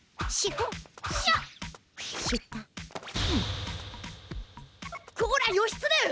こら義経！